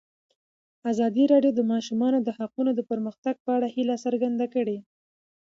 ازادي راډیو د د ماشومانو حقونه د پرمختګ په اړه هیله څرګنده کړې.